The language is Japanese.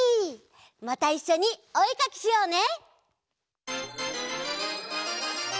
またいっしょにおえかきしようね！